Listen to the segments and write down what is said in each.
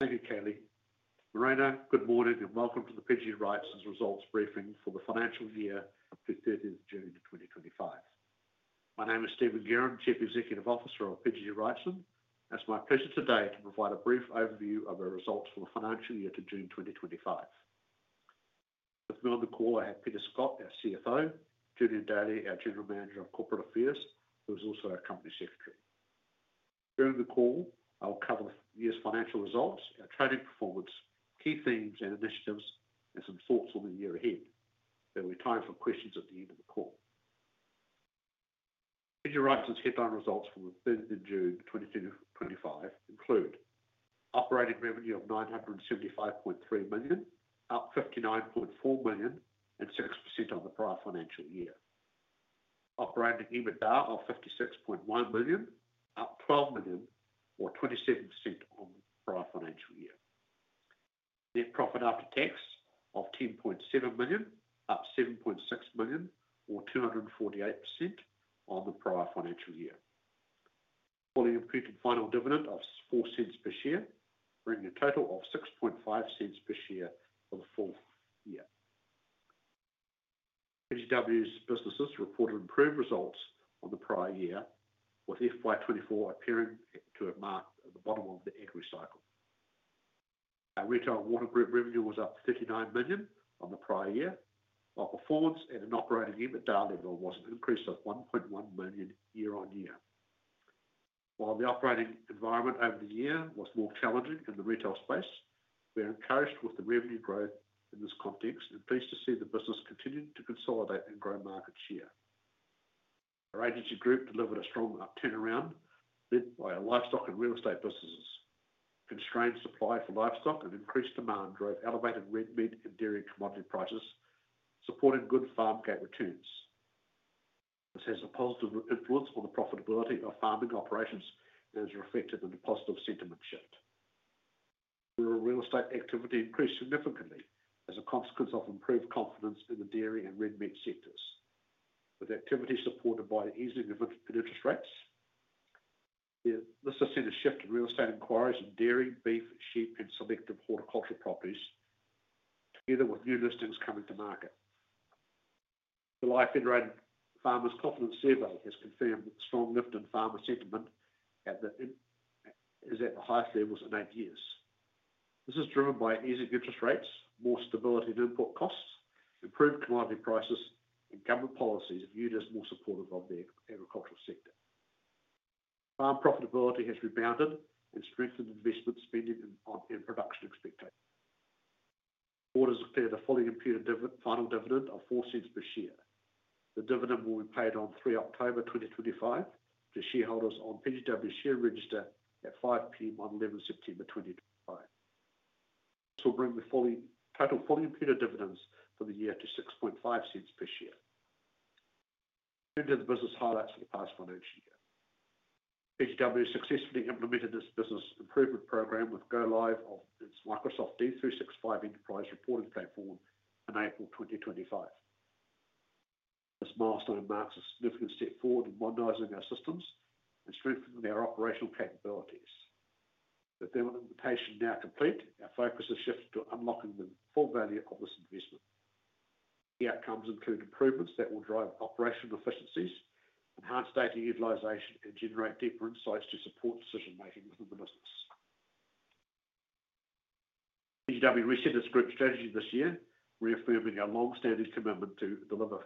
Thank you, Kayleigh. Marina, good morning and welcome to the PGG Wrightson results briefing for the financial year up to June 30th, 2025. My name is Stephen Guerin, Chief Executive Officer of PGG Wrightson, and it's my pleasure today to provide a brief overview of our results for the financial year to June 2025. With me on the call, I have Peter Scott, our CFO, Julian Daly, our General Manager of Corporate Affairs, who is also our Company Secretary. During the call, I'll cover the year's financial results, our trading performance, key themes and initiatives, and some thoughts on the year ahead. There'll be time for questions at the end of the call. PGG Wrightson's headline results for June 30th, 2025 include: operating revenue of $975.3 million, up $59.4 million and 6% on the prior financial year; operating EBITDA of $56.1 million, up $12 million or 27% on the prior financial year; net profit after tax of $10.7 million, up $7.6 million or 248% on the prior financial year; holding a completed final dividend of $0.04 per share, bringing a total of $0.065 per share for the full year. PGW's businesses reported improved results on the prior year, with FY 2024 appearing to have marked the bottom of the equity cycle. Our retail water group revenue was up $39 million on the prior year, while performance at an operating EBITDA level was an increase of $1.1 million year on year. While the operating environment over the year was more challenging in the retail space, we're encouraged with the revenue growth in this context and pleased to see the business continuing to consolidate and grow market share. Our agency group delivered a strong upturn around led by our livestock and real estate businesses. Constrained supply for livestock and increased demand drove elevated red meat and dairy commodity prices, supporting good farm gate returns. This has a positive influence on the profitability of farming operations and has reflected in a positive sentiment shift. Rural real estate activity increased significantly as a consequence of improved confidence in the dairy and red meat sectors, with activity supported by the easing of interest rates. This has seen a shift in real estate inquiries in dairy, beef, sheep, and selective horticultural properties, together with new listings coming to market. The Life Innovative Farmers' Confidence Survey has confirmed that the strong lift in farmer sentiment is at the highest levels in eight years. This is driven by easing interest rates, more stability in import costs, improved commodity prices, and government policies with unions more supportive of the agricultural sector. Farm profitability has rebounded and strengthened investment spending and production expectations. Quarters cleared a fully imputed final dividend of $0.04 per share. The dividend will be paid on October 3, 2025, to shareholders on PGW's share register at 5:00 P.M. on September 11, 2025. This will bring the total fully imputed dividends for the year to $0.065 per share. To the business highlights for the past financial year. PGW successfully implemented its business improvement program with go live of its Microsoft D365 Enterprise reporting platform in April 2025. This milestone marks a significant step forward in modernizing our systems and strengthening our operational capabilities. With implementation now complete, our focus has shifted to unlocking the full value of this investment. The outcomes include improvements that will drive operational efficiencies, enhance data utilization, and generate deeper insights to support decision making within the business. PGW reset its group strategy this year, reaffirming our long-standing commitment to deliver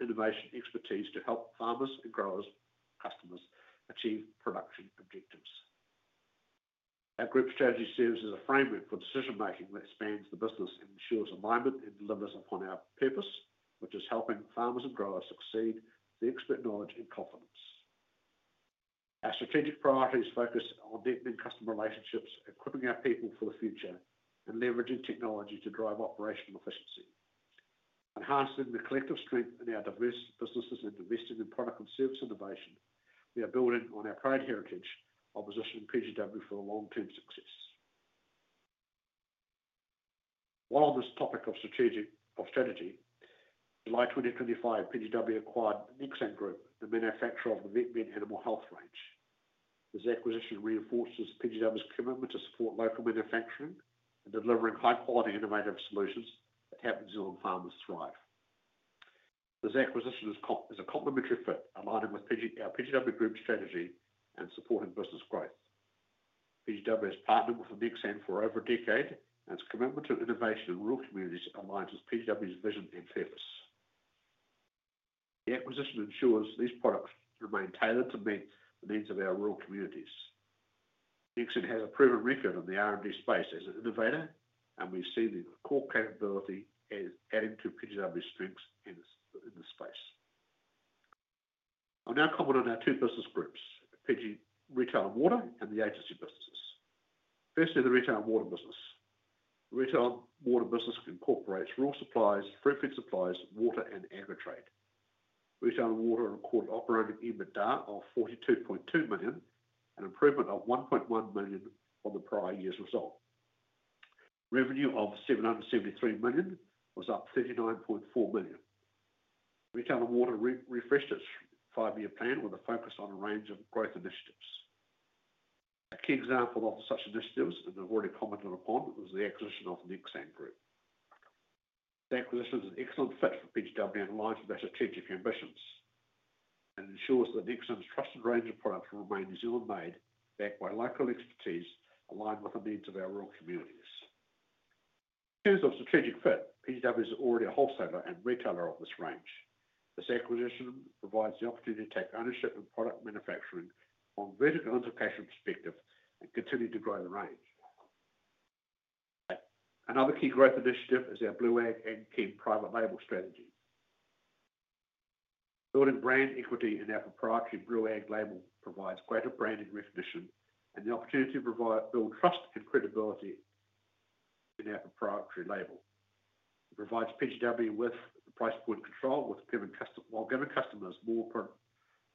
innovation expertise to help farmers and growers customers achieve production objectives. Our group strategy serves as a framework for decision making that spans the business and ensures alignment and delivers upon our purpose, which is helping farmers and growers succeed with expert knowledge and confidence. Our strategic priorities focus on deepening customer relationships, equipping our people for the future, and leveraging technology to drive operational efficiency. Enhancing the collective strength in our diverse businesses and investing in product and service innovation, we are building on our prior heritage while positioning PGW for long-term success. While on this topic of strategy, in July 2025, PGW acquired Nexan Group, the manufacturer of the meat and animal health range. This acquisition reinforces PGW's commitment to support local manufacturing and delivering high-quality innovative solutions to help New Zealand farmers thrive. This acquisition is a complementary fit, aligning with our PGW group strategy and supporting business growth. PGW has partnered with Nexan for over a decade, and its commitment to innovation in rural communities aligns with PGW's vision and purpose. The acquisition ensures these products remain tailored to meet the needs of our rural communities. Nexan has a proven record in the R&D space as an innovator, and we've seen the core capability adding to PGW's strengths in this space. I'll now comment on our two business groups: PG Retail and Water and the agency businesses. Firstly, the Retail and Water business. The Retail and Water business incorporates rural supplies, Fruitfed Supplies, water, and Agritrade. Retail and Water recorded operating EBITDA of $42.2 million, an improvement of $1.1 million on the prior year's result. Revenue of $773 million was up $39.4 million. Retail and Water refreshed its five-year plan with a focus on a range of growth initiatives. A key example of such initiatives, and I've already commented upon, was the acquisition of Nexan Group. The acquisition is an excellent fit for PGW and aligns with our strategic ambitions. It ensures that Nexan's trusted range of products will remain New Zealand-made, backed by local expertise, aligned with the needs of our rural communities. In terms of strategic fit, PGW is already a wholesaler and retailer of this range. This acquisition provides the opportunity to take ownership in product manufacturing from a vertical and location perspective and continue to grow the range. Another key growth initiative is our BlueAG and key private label strategy. Building brand equity in our proprietary BlueAG label provides greater branding recognition and the opportunity to build trust and credibility in our proprietary label. It provides PGW with the price point control while giving customers more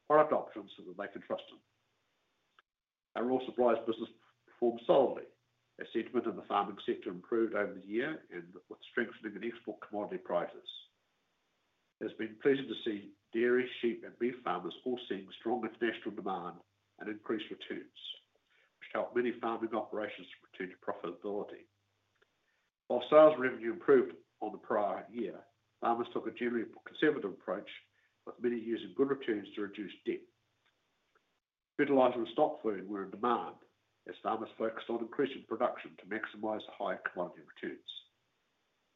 product options so that they can trust them. Our rural supplies business performed solidly as sentiment in the farming sector improved over the year and with strengthening in export commodity prices. It has been pleasing to see dairy, sheep, and beef farmers all seeing strong international demand and increased returns, which helped many farming operations return to profitability. While sales revenue improved on the prior year, farmers took a generally conservative approach, with many using good returns to reduce debt. Fertilizer and stock food were in demand as farmers focused on increasing production to maximize the high commodity returns.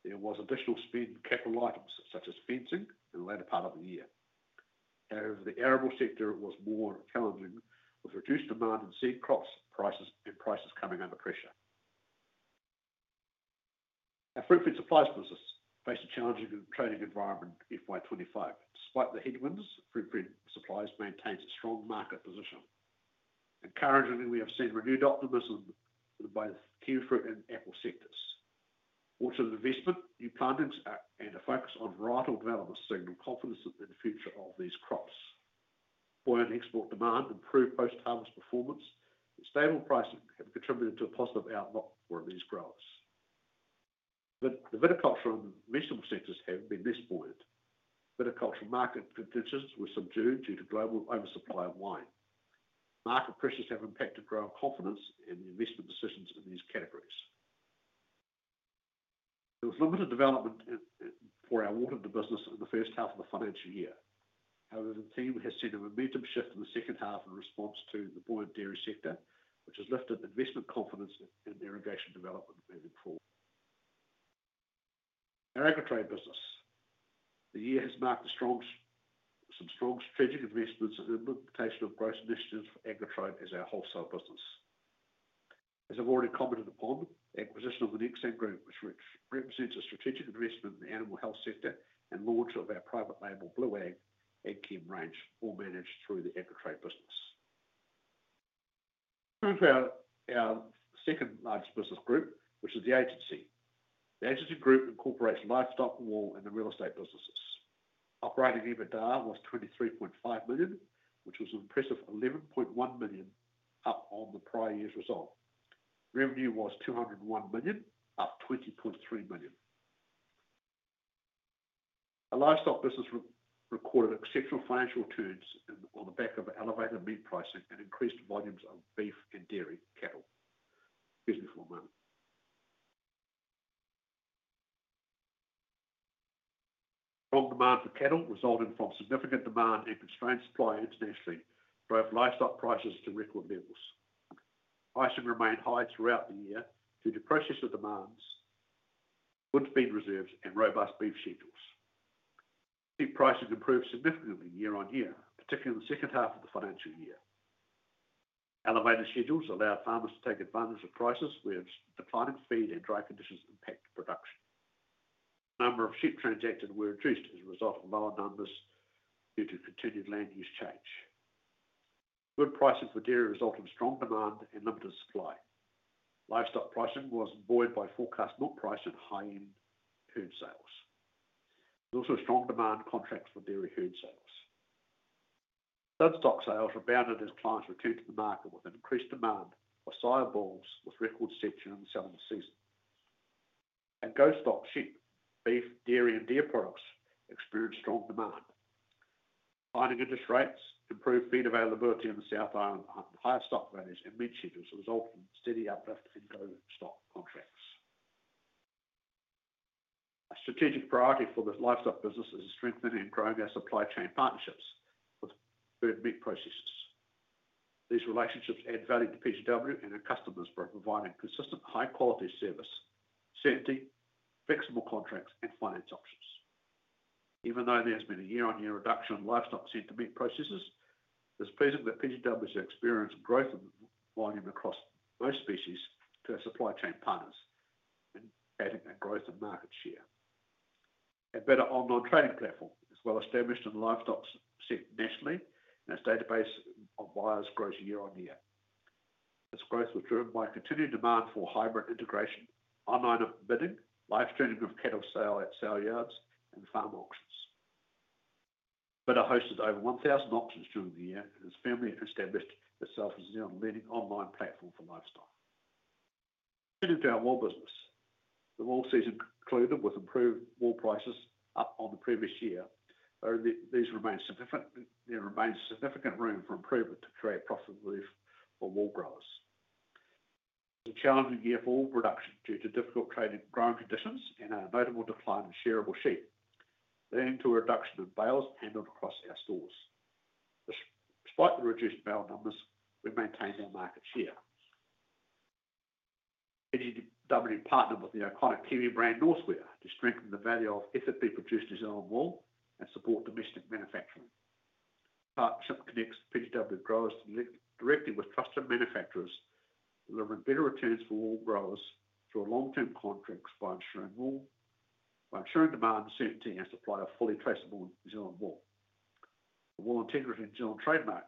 There was additional spend on capital items such as fencing in the latter part of the year. However, the arable sector was more challenging with reduced demand in seed crops and prices coming under pressure. Our Fruitfed Supplies business faced a challenging trading environment in FY 2025. Despite the headwinds, Fruitfed Supplies maintained a strong market position. Encouragingly, we have seen renewed optimism in both the kiwifruit and apple sectors. Water and investment, new plantings, and a focus on varietal development signal confidence in the future of these crops. Buying export demand improved post-harvest performance, and stable pricing have contributed to a positive outlook for these growers. The viticulture and vegetable sectors have been disappointed. Viticulture market contentions were subdued due to global oversupply of wine. Market pressures have impacted grower confidence in the investment decisions in these categories. There was limited development for our Water business in the first half of the financial year. However, the team has seen a momentum shift in the second half in response to the buoyant dairy sector, which has lifted investment confidence and irrigation development moving forward. Our Agritrade business. The year has marked some strong strategic investments and implementation of growth initiatives for Agritrade as our wholesale business. As I've already commented upon, the acquisition of the Nexan Group, which represents a strategic investment in the animal health sector, and launch of our private label BlueAG and [Keem] range, all managed through the Agritrade business. Moving to our second largest business group, which is the Agency. The Agency group incorporates livestock, wool, and the real estate businesses. Operating EBITDA was $23.5 million, which was an impressive $11.1 million up on the prior year's result. Revenue was $201 million, up $20.3 million. The livestock business recorded exceptional financial returns on the back of elevated meat pricing and increased volumes of beef and dairy cattle. Strong demand for cattle, resulting from significant demand and constrained supply internationally, drove livestock prices to record levels. Pricing remained high throughout the year due to precious demands, good feed reserves, and robust beef schedules. Sheep pricing improved significantly year on year, particularly in the second half of the financial year. Elevated schedules allowed farmers to take advantage of prices where declining feed and dry conditions impact production. The number of sheep transacted were reduced as a result of lower numbers due to continued land use change. Good pricing for dairy resulted in strong demand and limited supply. Livestock pricing was buoyed by forecast milk price and high-end herd sales. There was also strong demand contracts for dairy herd sales. GO-STOCK sales were buoyed as clients returned to the market with increased demand for sire bulls, with record section selling season. GO-STOCK sheep, beef, dairy, and deer products experienced strong demand. Binding interest rates, improved feed availability in the South [Island], and higher stock values and meat schedules resulted in steady uplift in GO-STOCK contracts. A strategic priority for the livestock business is to strengthen and grow our supply chain partnerships with good meat processors. These relationships add value to PGG Wrightson and our customers by providing consistent high-quality service, certainty, flexible contracts, and finance options. Even though there's been a year-on-year reduction in livestock sent to meat processors, it's pleasing that PGW's experience and growth in volume across most species to our supply chain partners is adding a growth in market share. bidr, our online trading platform, as well as established in livestock sent nationally, and its database of buyers grows year on year. This growth was driven by continued demand for hybrid integration, online bidding, live streaming of cattle sale at sale yards, and farm auctions. bidr hosted over 1,000 auctions during the year, and has firmly established itself as a New Zealand leading online platform for livestock. Turning to our wool business, the wool season concluded with improved wool prices up on the previous year, though there remains significant room for improvement to create profitability for wool growers. It was a challenging year for wool production due to difficult trading and growing conditions and a notable decline in shearable share, leading to a reduction in bales handled across our stores. Despite the reduced bale numbers, we maintained our market share. PGW partnered with the iconic Kiwi brand North Square to strengthen the value of effort to produce New Zealand wool and support domestic manufacturing. The partnership connects PGW growers directly with custom manufacturers, delivering better returns for wool growers through long-term contracts by ensuring demand, certainty, and supply of fully traceable New Zealand wool. The Wool Integrity New Zealand trademark,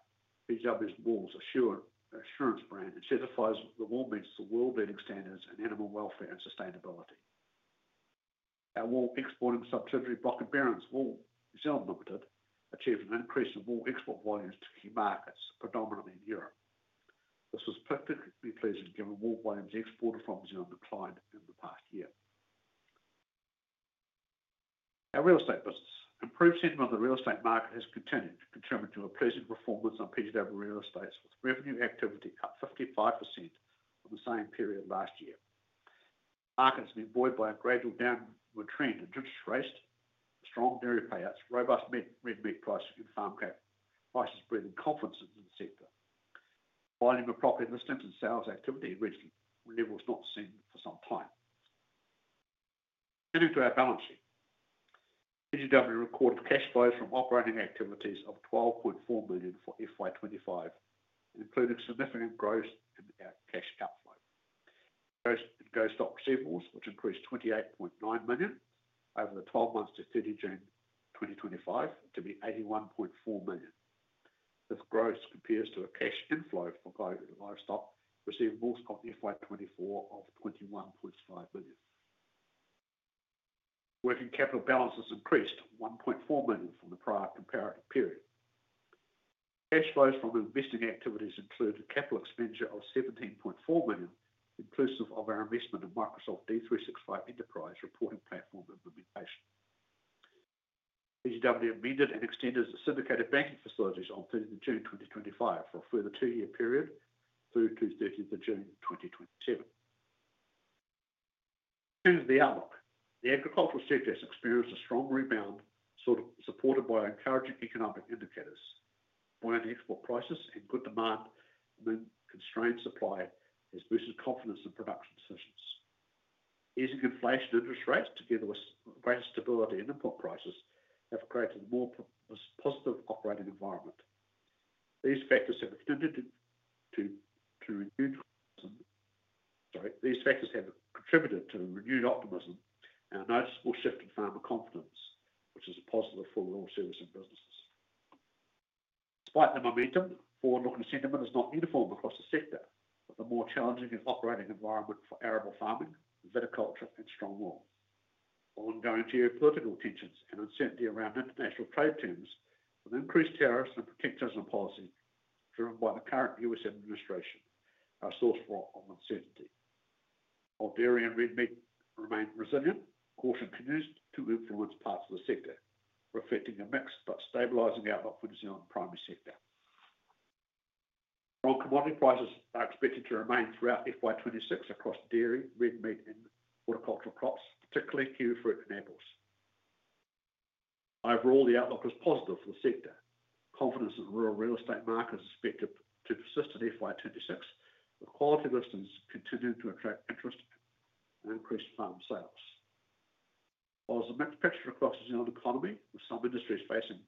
PGW's wool assurance brand, identifies the wool meets the world leading standards in animal welfare and sustainability. Our wool exporting subsidiary, Bloch & Behrens Wool New Zealand Limited, achieved an increase in wool export volumes to key markets, predominantly in Europe. This was particularly pleasing, given wool volumes exported from New Zealand declined in the past year. Our real estate business improved sentiment in the real estate market has continued to contribute to a pleasing performance on PGW Real Estate, with revenue activity up 55% on the same period last year. Markets have been buoyed by a gradual downward trend in interest rates, strong dairy payouts, robust red meat pricing, and farm crop prices breeding confidence in the sector. Volume of property listings and sales activity reached levels not seen for some time. Turning to our balance sheet, PGW recorded cash flows from operating activities of $12.4 million for FY 2025, including significant growth in our cash outflow. Growth in GO-STOCK receivables, which increased $28.9 million over the 12 months to 30 June 2025, to be $81.4 million. This growth compares to a cash inflow for GO-STOCK receivables of FY 2024 of $21.5 million. Working capital balances increased to $1.4 million from the prior comparative period. Cash flows from investing activities included a capital expenditure of $17.4 million, inclusive of our investment in Microsoft D365 Enterprise reporting platform implementation. PGW amended and extended the syndicated banking facilities on 30 June 2025 for a further two-year period through to 30 June 2027. In terms of the outlook, the agricultural sector has experienced a strong rebound, sort of supported by encouraging economic indicators. Buying export prices and good demand mean constrained supply has boosted confidence in production decisions. Easing inflation and interest rates, together with greater stability in input prices, have created a more positive operating environment. These factors have contributed to renewed optimism and a noticeable shift in farmer confidence, which is a positive for rural service and businesses. Despite our momentum, forward-looking sentiment is not uniform across the sector, with a more challenging operating environment for arable farming, viticulture, and strong wool. Ongoing geopolitical tensions and uncertainty around international trade terms, with increased tariffs and protective policies driven by the current U.S. administration, are a source of uncertainty. While dairy and red meat remain resilient, caution continues to influence parts of the sector, reflecting a mix but stabilizing outlook for the New Zealand primary sector. Strong commodity prices are expected to remain throughout FY 2026 across dairy, red meat, and horticultural crops, particularly kiwifruit and apples. Overall, the outlook is positive for the sector. Confidence in rural real estate markets is expected to persist at FY 2026, with quality listings continuing to attract interest and increase farm sales. While there's a mixed picture across the New Zealand economy, with some industries facing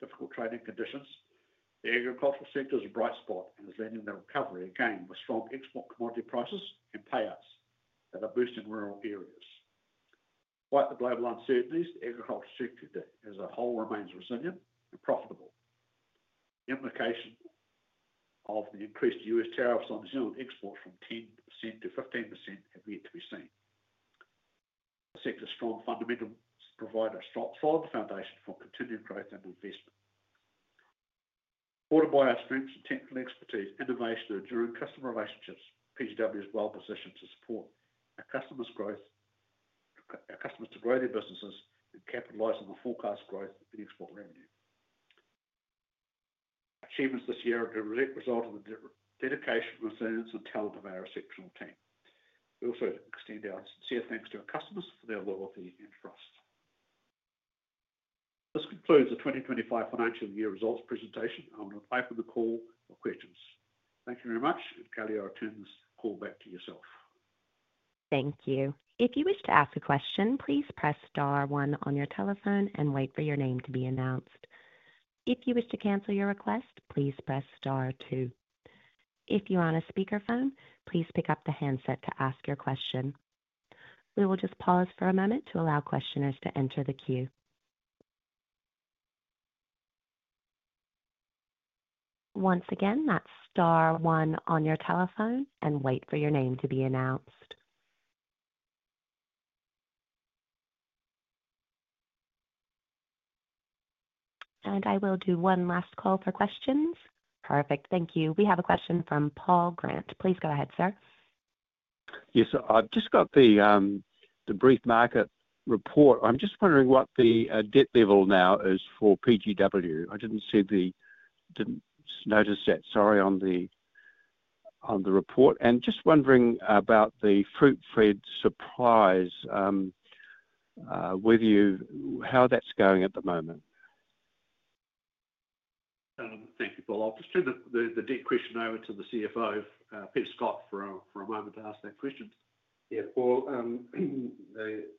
difficult trading conditions, the agricultural sector is a bright spot and is leading the recovery again with strong export commodity prices and payouts that are boosting rural areas. Despite the global uncertainties, the agricultural sector as a whole remains resilient and profitable. The implication of the increased U.S. tariffs on New Zealand exports from 10% to 15% have yet to be seen. The sector's strong fundamentals provide a solid foundation for continued growth and investment. Supported by our strengths and technical expertise, innovation, and enduring customer relationships, PGW is well positioned to support our customers to grow their businesses and capitalize on the forecast growth in export revenue. Achievements this year are a direct result of the dedication, resilience, and talent of our exceptional team. We also extend our sincere thanks to our customers for their loyalty and trust. This concludes the 2025 financial year results presentation. I'm going to open the call for questions. Thank you very much, and Kayleigh, I'll turn this call back to yourself. Thank you. If you wish to ask a question, please press star one on your telephone and wait for your name to be announced. If you wish to cancel your request, please press star two. If you are on a speakerphone, please pick up the handset to ask your question. We will just pause for a moment to allow questioners to enter the queue. Once again, that's star one on your telephone and wait for your name to be announced. I will do one last call for questions. Perfect. Thank you. We have a question from Paul Grant. Please go ahead, sir. Yes, I've just got the brief market report. I'm just wondering what the debt level now is for PGW. I didn't see that, sorry, on the report. I'm just wondering about the Fruitfed Supplies, with you, how that's going at the moment. Thank you, Paul. I'll just turn the debt question over to the CFO, Peter Scott, for a moment to ask that question. Yeah, Paul, the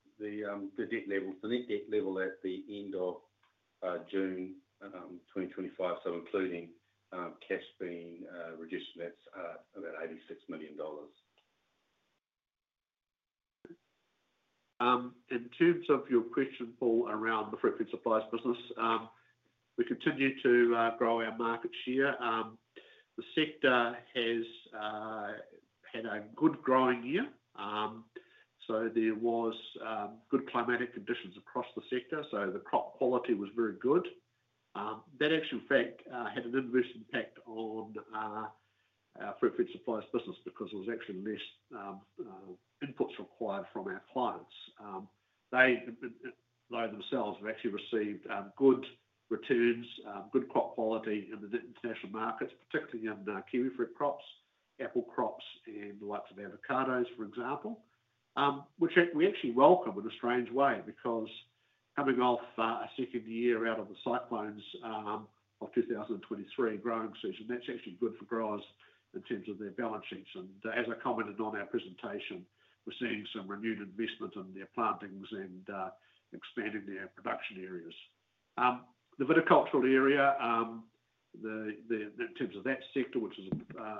net debt level at the end of June 2025, so including cash being reduced, that's about $86 million. In terms of your question, Paul, around the Fruitfed Supplies business, we continue to grow our market share. The sector has had a good growing year. There were good climatic conditions across the sector, so the crop quality was very good. That actually, in fact, had an adverse impact on our Fruitfed Supplies business because there was actually less inputs required from our clients. They themselves have actually received good returns, good crop quality in the international markets, particularly in kiwifruit crops, apple crops, and the likes of avocados, for example, which we actually welcome in a strange way because coming off a second year out of the cyclones of the 2023 growing season, that's actually good for growers in terms of their balance sheets. As I commented on our presentation, we're seeing some renewed investment in their plantings and expanding their production areas. The viticultural area, in terms of that sector, which is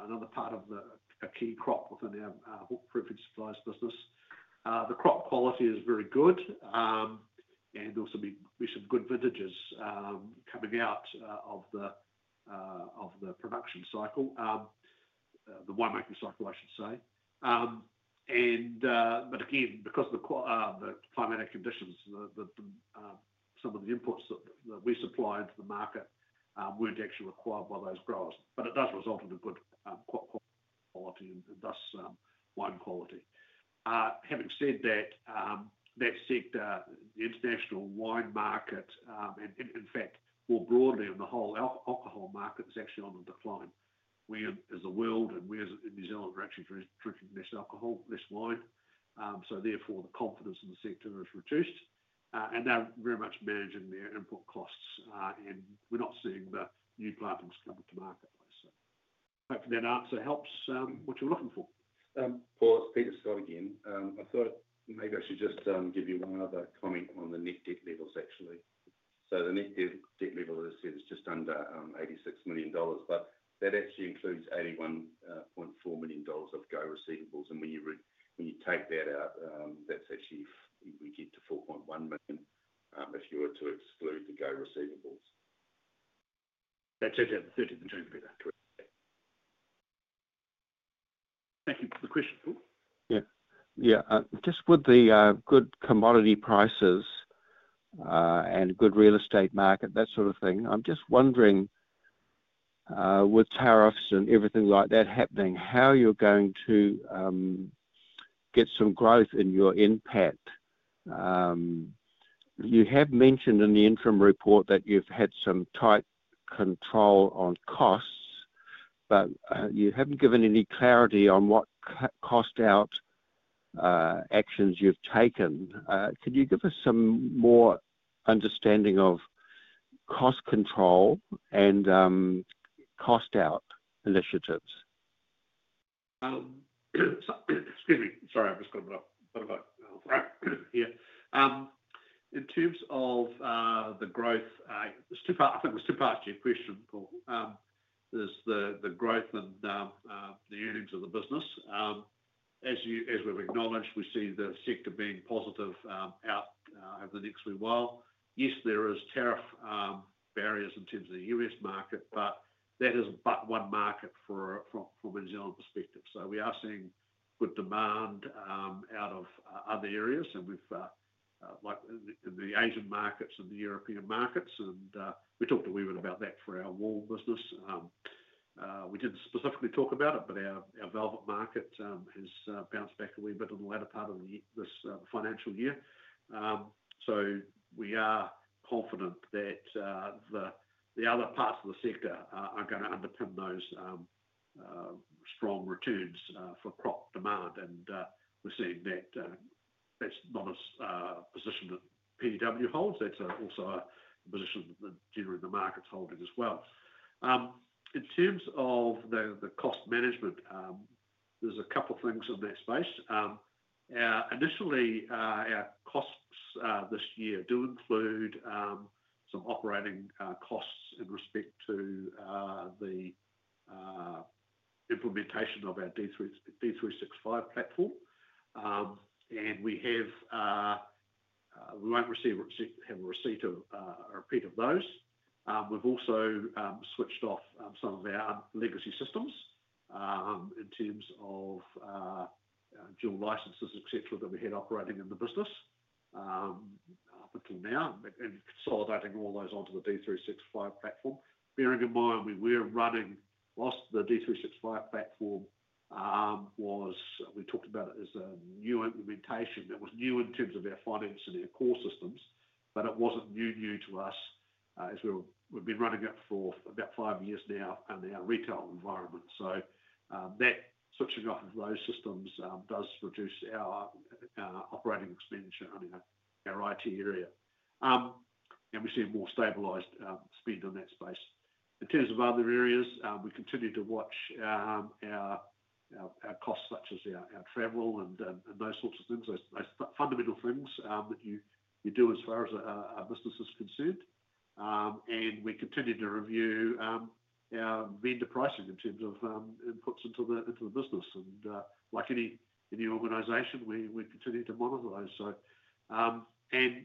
another part of a key crop within our Fruitfed Supplies business, the crop quality is very good. We see some good vintages coming out of the production cycle, the winemaking cycle, I should say. Again, because of the climatic conditions, some of the inputs that we supply into the market weren't actually required by those growers. It does result in a good quality and thus wine quality. Having said that, that sector, the international wine market, and in fact, more broadly in the whole alcohol market, is actually on the decline. We, as a world, and we as New Zealand are actually drinking less alcohol, less wine. Therefore, the confidence in the sector has reduced. They're very much managing their input costs. We're not seeing the new plantings come into market. Hopefully, that answer helps what you're looking for. Paul, it's Peter Scott again. I thought maybe I should just give you one other comment on the net debt levels, actually. The net debt level, as I said, is just under $86 million, but that actually includes $81.4 million of GO-STOCK receivables. When you take that out, we get to $4.1 million if you were to exclude the GO-STOCK receivables. That's at the 30th in June, Peter. Thank you. Thank you for the question, Paul. Yeah. Yeah. Just with the good commodity prices and good real estate market, that sort of thing, I'm just wondering, with tariffs and everything like that happening, how you're going to get some growth in your impact. You have mentioned in the interim report that you've had some tight control on costs, but you haven't given any clarity on what cost-out actions you've taken. Can you give us some more understanding of cost control and cost-out initiatives? Excuse me. Sorry, I've just got to run up. Yeah. In terms of the growth, I think I was too far asked your question, Paul. There's the growth and the earnings of the business. As you, as we've acknowledged, we see the sector being positive out over the next wee while. Yes, there are tariff barriers in terms of the U.S. market, but that is but one market from a New Zealand perspective. We are seeing good demand out of other areas, like in the Asian markets and the European markets. We talked a wee bit about that for our wool business. We didn't specifically talk about it, but our velvet market has bounced back a wee bit in the latter part of this financial year. We are confident that the other parts of the sector are going to underpin those strong returns for crop demand. We're seeing that that's not a position that PGW holds. That's also a position that the general markets hold as well. In terms of the cost management, there's a couple of things in that space. Initially, our costs this year do include some operating costs in respect to the implementation of our D365 platform. We won't receive a repeat of those. We've also switched off some of our legacy systems in terms of dual licenses, etc., that we had operating in the business up until now and consolidating all those onto the D365 platform. Bearing in mind we were running whilst the D365 platform was, we talked about it as a new implementation. It was new in terms of our finance and our core systems, but it wasn't new to us as we've been running it for about five years now in our retail environment. That switching off of those systems does reduce our operating expenditure in our IT area. We see a more stabilized spend in that space. In terms of other areas, we continue to watch our costs, such as our travel and those sorts of things. Those fundamental things that you do as far as our business is concerned. We continue to review our vendor pricing in terms of inputs into the business. Like any organization, we continue to monitor those.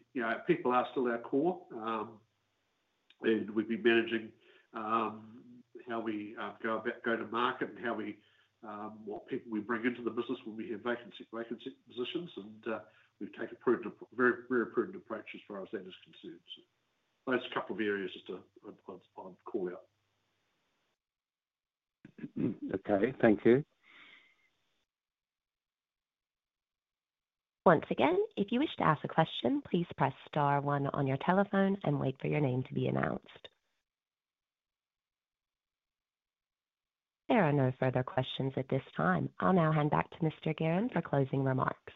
People are still our core. We've been managing how we go to market and what people we bring into the business when we have vacant positions. We take a very, very prudent approach as far as that is concerned. Those are a couple of areas just to call out. Okay. Thank you. Once again, if you wish to ask a question, please press star one on your telephone and wait for your name to be announced. There are no further questions at this time. I'll now hand back to Mr. Guerin for closing remarks.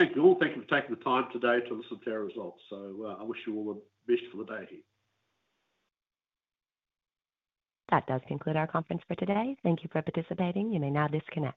Thank you all. Thank you for taking the time today to listen to our results. I wish you all the best for the day here. That does conclude our conference for today. Thank you for participating. You may now disconnect.